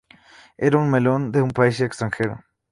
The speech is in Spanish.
Era un melón de un país extranjero.